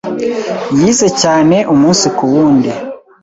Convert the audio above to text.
Yize cyane umunsi kuwundi.